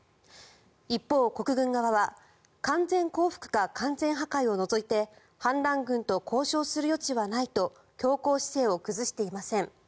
一方、国軍側は完全降伏か完全破壊を除いて反乱軍と交渉する余地はないと強硬姿勢を崩していません。